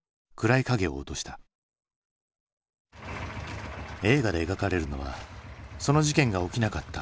映画で描かれるのはその事件が起きなかった虚構の過去。